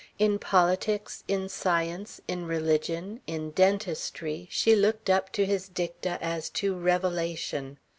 In politics, in science, in religion, in dentistry she looked up to his dicta as to revelation.